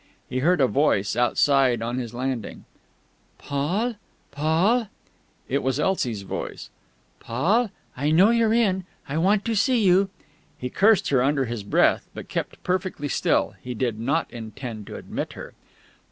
He heard a voice outside on his landing. "Paul!... Paul!..." It was Elsie's voice. "Paul!... I know you're in... I want to see you...." He cursed her under his breath, but kept perfectly still. He did not intend to admit her.